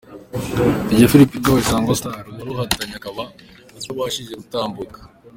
Dj Phil Peter wa Isango Star wari uhatanye akaba atabashije gutambuka.